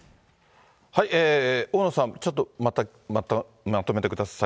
大野さん、ちょっとまとめてください。